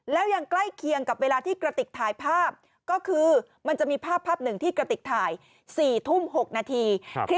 แล้วยังใกล้เคียงกับเวลาที่กระติกถ่ายภาพก็คือมันจะมีภาพหนึ่งที่กระติกถ่าย๔ทุ่ม๖นาที